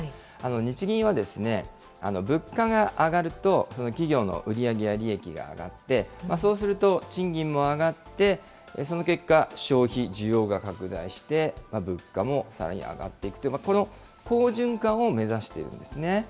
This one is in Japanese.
日銀は、物価が上がると、企業の売り上げや利益が上がって、そうすると、賃金も上がって、その結果、消費、需要が拡大して、物価もさらに上がっていくという、この好循環を目指しているんですね。